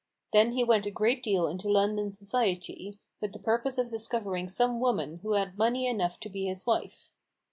Then he went a great deal into London society, with the purpose of discovering some woman who had money enough to be his wife.